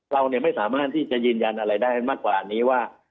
เราไม่สามารถที่จะยืนยันอะไรได้มากกว่านี้ว่า